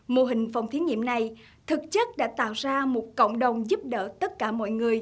mô hình phòng thí nghiệm này thực chất đã tạo ra một cộng đồng giúp đỡ tất cả mọi người